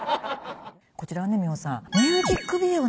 こちらはね美穂さん。